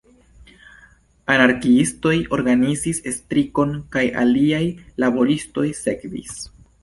Anarkiistoj organizis strikon kaj aliaj laboristoj sekvis.